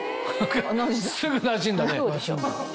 すぐなじんだね。